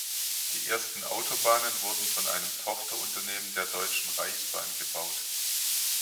Die ersten Autobahnen wurden von einem Tochterunternehmen der Deutschen Reichsbahn gebaut.